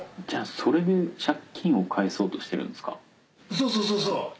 「そうそうそうそう」